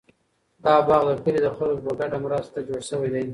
دا باغ د کلي د خلکو په ګډه مرسته جوړ شوی دی.